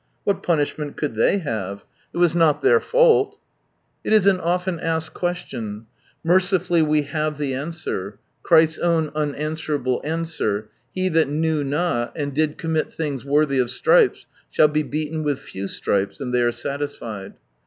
What punishment could they have? It was not their fault ! It is an ofien asked question. Merci fully we have (he answer — Christ's own unanswerable answer, " He that knew not, and did commit things worthy of stripes, shall be beaten with few stripes" ; and they are satisfied.